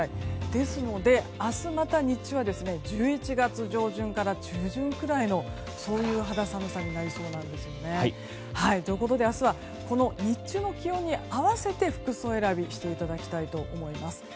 ですので明日また日中は１１月上旬から中旬くらいの肌寒さになりそうなんですよね。ということで明日はこの日中の気温に合わせて服装選びしていただきたいと思います。